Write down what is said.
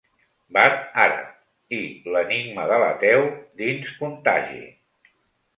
«Bar àrab» i «L'enigma de l'ateu» dins Contagi.